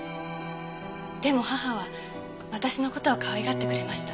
でも母は私の事をかわいがってくれました。